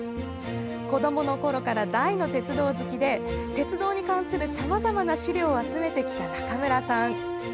子どものころからの大の鉄道好きで鉄道に関するさまざまな資料を集めてきた中村さん。